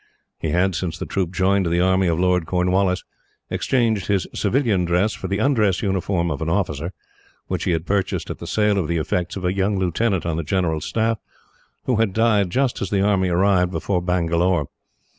He had, since the troop joined the army of Lord Cornwallis, exchanged his civilian dress for the undress uniform of an officer, which he had purchased at the sale of the effects of a young lieutenant on the general's staff, who had died just as the army arrived before Bangalore.